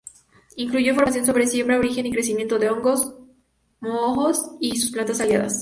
Incluyó información sobre "siembra, origen y crecimiento de hongos, mohos, y sus plantas aliadas".